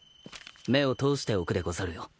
目を通しておくでござるよ。